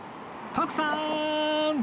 徳さーん！